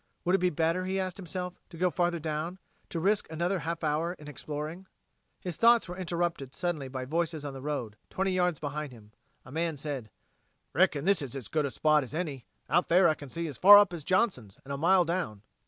Would it be better, he asked himself, to go farther down, to risk another half hour in exploring! His thoughts were interrupted suddenly by voices on the road, twenty yards behind him. A man said: "Reckon this is as good a spot as any. Out there I can see as far up as Johnson's and a mile down."